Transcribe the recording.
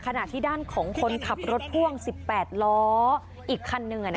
ขณะที่ด้านของคนขับรถพ่วง๑๘ล้ออีกคันหนึ่ง